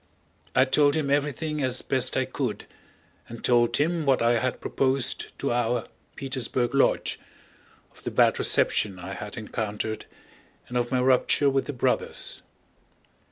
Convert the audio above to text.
I told him everything as best I could, and told him what I had proposed to our Petersburg lodge, of the bad reception I had encountered, and of my rupture with the Brothers.